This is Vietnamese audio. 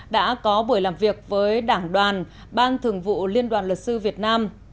đã có buổi làm việc với đảng đoàn ban thường vụ liên đoàn luật sư việt nam